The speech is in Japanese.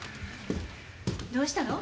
どうしたの？